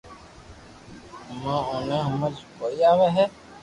امو ني تو ھمج ڪوئي آوي ھي